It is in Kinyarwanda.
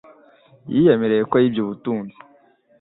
Yiyemereye ko yibye ubutunzi.